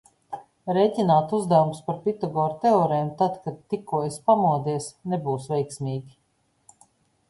Rēķināt uzdevumus par Pitagora teorēmu, tad, kad tikko esi pamodies nebūs veiksmīgi.